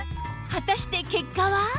果たして結果は？